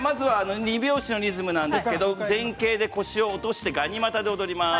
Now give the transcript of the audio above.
２拍子のリズムなんですけれど前傾で腰を落としてガニ股で踊ります。